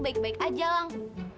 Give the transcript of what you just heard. makasih ya lang